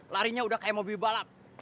larinya udah kayak mobil balap